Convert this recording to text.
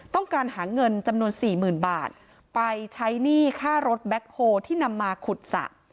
ต้องการหาเงินจำนวนสี่หมื่นบาทไปใช้หนี้ค่ารถแบ็คโฮที่นำมาขุดสระ